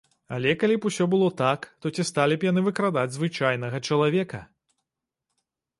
Але калі б усё было так, то ці сталі б яны выкрадаць звычайнага чалавека?